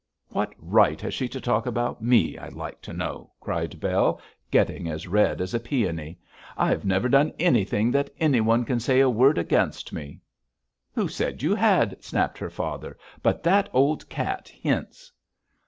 'What right has she to talk about me, I'd like to know!' cried Bell, getting as red as a peony. 'I've never done anything that anyone can say a word against me.' 'Who said you had?' snapped her father; 'but that old cat hints.'